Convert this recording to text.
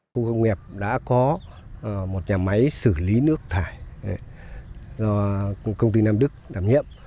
khu công nghiệp đã có một nhà máy xử lý nước thải do công ty nam đức đảm nhiệm